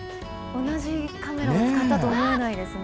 同じカメラを使ったと思えないですね。